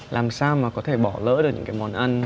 làm sao mà có thể bỏ lỡ được những cái món ăn